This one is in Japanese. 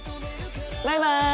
バイバイ！